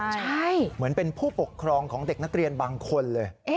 ใช่เหมือนเป็นผู้ปกครองของเด็กนักเรียนบางคนเลย